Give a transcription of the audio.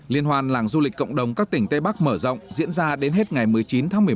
liên hoan làng du lịch cộng đồng các tỉnh tây bắc mở rộng diễn ra đến hết ngày một mươi chín tháng một mươi một